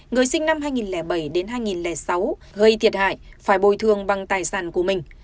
người sinh năm hai nghìn bảy đến hai nghìn sáu gây thiệt hại phải bồi thường bằng tài sản của mình